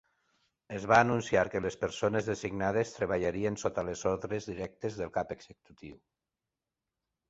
Es va anunciar que les persones designades treballarien sota les ordres directes del cap executiu.